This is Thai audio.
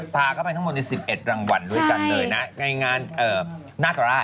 พาก็ไปทั้งหมด๑๑รางวัลด้วยกันเลยนะในงานหน้าตราด